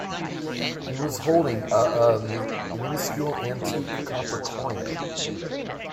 He was holding a a minuscule antique copper coin.